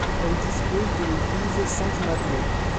Elle dispose de l'église Sainte-Madeleine.